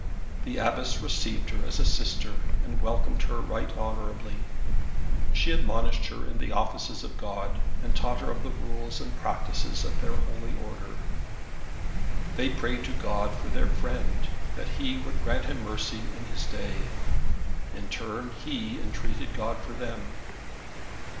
The Abbess received her as a sister, and welcomed her right honourably. She admonished her in the offices of God, and taught her of the rules and practice of their holy Order. They prayed to God for their friend, that He would grant him mercy in His day. In turn, he entreated God for them.